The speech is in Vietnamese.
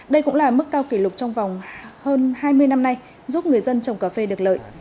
đây cũng là mức cao kỷ lục trong vòng hơn hai mươi năm nay giúp người dân trồng cà phê được lợi